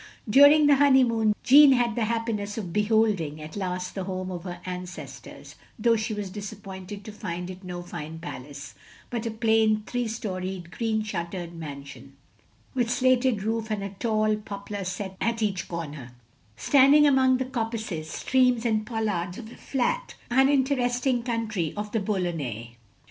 During the honejrmoon, Jeanne had the happi ness of beholding at last the homd of her ancestors, though she was disappointed to find it no fine palace; but a plain, three storied, green shuttered mansion, with slated roof, and a tall poplar set at each comer; standing among the coppices, streams, and pollards of the flat, uninteresting country of the Boulonnais.